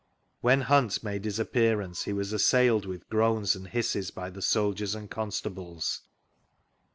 When Hunt made his appearance, be was assailed with groans and hisses by tbe soldiers and constables.